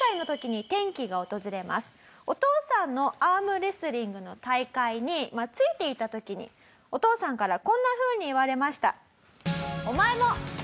お父さんのアームレスリングの大会について行った時にお父さんからこんなふうに言われました。